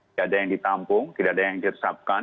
tidak ada yang ditampung tidak ada yang diresapkan